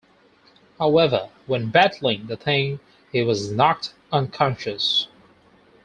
However, when battling the Thing, he was knocked unconscious.